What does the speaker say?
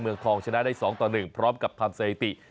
เมืองคลองชนะได้๒ต่อ๑พร้อมกับพลัมเศรษฐี